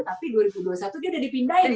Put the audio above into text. tapi dua ribu dua puluh satu dia udah dipindahin